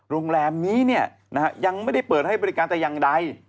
โรงแรมนี้ยังไม่ได้เปิดให้บริการแต่อย่างใด